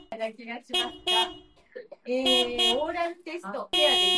A mobile application is under development.